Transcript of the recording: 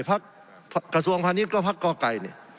กระทรวงพาณิชย์ก็พักก่อไก่นี่